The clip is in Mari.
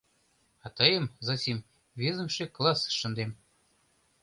— А тыйым, Зосим, визымше классыш шындем.